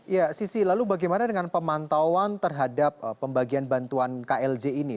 ya sisi lalu bagaimana dengan pemantauan terhadap pembagian bantuan klj ini